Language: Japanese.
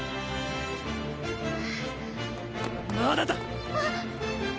まだだ！